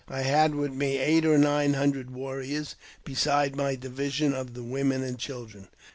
I had with me eight or nine hundred warriors, besides my division of the women and children.